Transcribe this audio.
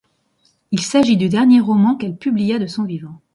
Il s'agit du dernier roman qu'elle publia de son vivant.